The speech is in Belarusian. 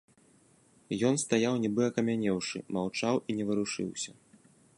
Ён стаяў нібы акамянеўшы, маўчаў і не варушыўся.